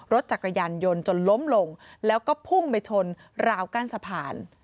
รถจักรยานยนต์จนล้มลงแล้วก็พุ่งไปชนราวกั้นสะพาน